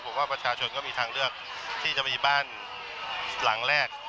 ผมว่าประชาชนก็มีทางเลือกที่จะมีบ้านหลังแรก